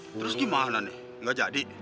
terus gimana nih nggak jadi